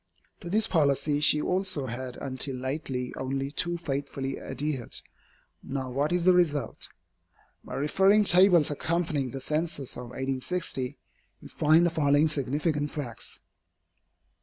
To this policy she also has until lately only too faithfully adhered. Now what is the result? By referring to the tables accompanying the Census of 1860, we find the following significant facts.